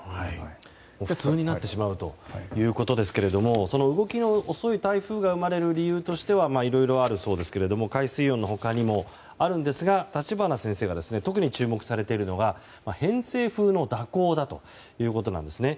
普通になってしまうということですがその動きの遅い台風が生まれる理由としてはいろいろあるそうですが海水温の他にもあるんですが立花先生が特に注目されているのは偏西風の蛇行だということなんですね。